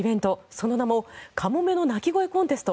その名もカモメの鳴き声コンテスト。